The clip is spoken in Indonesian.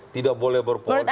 tidak boleh berpolitik